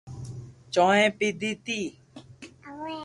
چوئي پيدي تي